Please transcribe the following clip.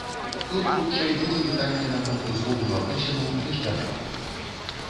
Тут, хутчэй, будзе пытанне наконт узроўню адносінаў міждзяржаўных.